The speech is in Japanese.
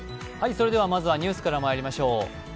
まずはニュースからまいりましょう。